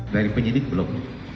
dari penyidik belum